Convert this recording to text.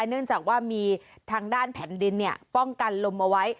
เนื่องจากว่ามีทางด้านแผ่นดินป้องกันลมเอาไว้